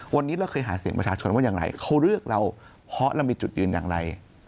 วันนี้เราเคยหาเสียงประชาชนว่าอย่างไรเขาเลือกเราเพราะเรามีจุดยืนอย่างไร